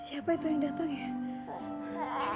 siapa itu yang datang ya